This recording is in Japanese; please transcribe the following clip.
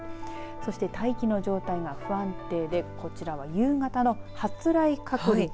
そして大気の状態が不安定でこちらは夕方の発雷確率。